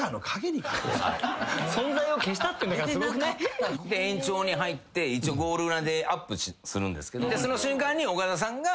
存在を消したってすごくない？で延長に入って一応ゴール裏でアップするんですけどその瞬間に岡田さんが。